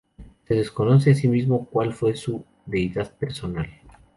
Se desconoce asimismo cuál fue su deidad personal.